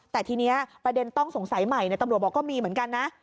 แต่ทีนี้ประเด็นต้องสงสัยใหม่ตำรวจบอกก็มีเหมือนกันนะ